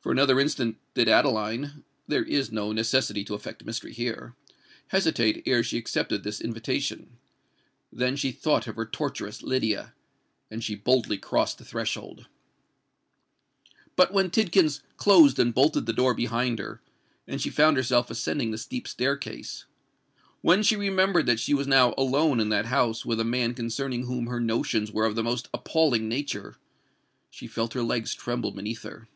For another instant did Adeline—(there is no necessity to affect mystery here)—hesitate ere she accepted this invitation:—then she thought of her torturess Lydia—and she boldly crossed the threshold. But when Tidkins closed and bolted the door behind her, and she found herself ascending the steep staircase,—when she remembered that she was now alone in that house with a man concerning whom her notions were of the most appalling nature,—she felt her legs tremble beneath her.